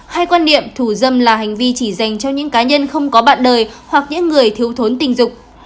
hai quan niệm thủ dâm là hành vi chỉ dành cho những cá nhân không có bạn đời hoặc những người thiếu thốn tình dục